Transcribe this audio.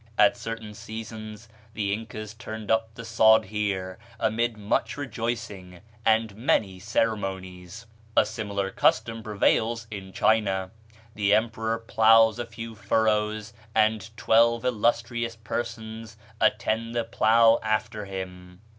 At certain seasons the Incas turned up the sod here, amid much rejoicing, and many ceremonies. A similar custom prevails in China: The emperor ploughs a few furrows, and twelve illustrious persons attend the plough after him.